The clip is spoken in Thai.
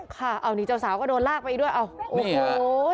ค่ะเอานี่เจ้าสาวก็โดนลากไปด้วยอ้าวโอ้โห